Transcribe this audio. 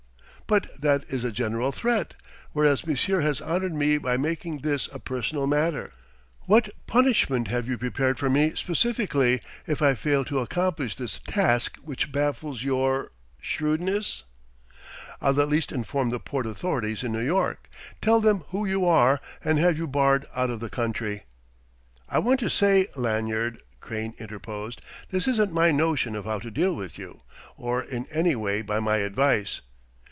"But that is a general threat; whereas monsieur has honoured me by making this a personal matter. What punishment have you prepared for me specifically, if I fail to accomplish this task which baffles your shrewdness?" "I'll at least inform the port authorities in New York, tell them who you are, and have you barred out of the country." "I want to say, Lanyard," Crane interposed, "this isn't my notion of how to deal with you, or in any way by my advice."